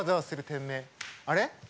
あれ？